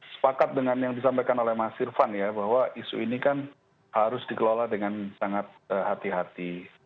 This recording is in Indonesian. sepakat dengan yang disampaikan oleh mas irfan ya bahwa isu ini kan harus dikelola dengan sangat hati hati